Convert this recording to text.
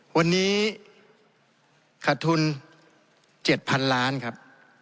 วันนี้ขาดทุน๗๐๐๐ล้านครับ